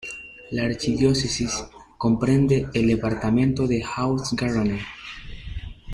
La archidiócesis comprende el departamento de Haute-Garonne.